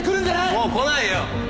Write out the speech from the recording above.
もう来ないよ！